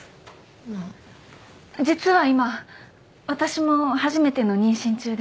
実は今私も初めての妊娠中で。